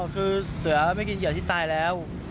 คือเสือไม่กินเหยื่อที่ตายแล้ว